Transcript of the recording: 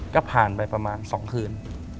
ก็ผ่านไปประมาณ๒คืน